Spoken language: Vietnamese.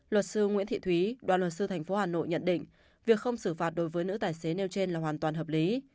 luật sư nguyễn thị thúy đoàn luật sư tp hà nội nhận định việc không xử phạt đối với nữ tài xế nêu trên là hoàn toàn hợp lý